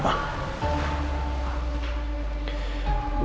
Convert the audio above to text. emang dia kenapa